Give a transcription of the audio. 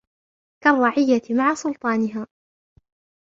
كَالرَّعِيَّةِ مَعَ سُلْطَانِهَا